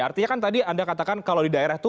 artinya kan tadi anda katakan kalau di daerah itu